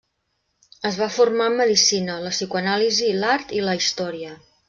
Es va formar en medicina, la psicoanàlisi, l'art i la història.